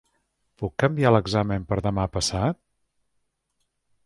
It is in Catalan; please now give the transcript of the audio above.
Puc canviar l'examen per demà passat?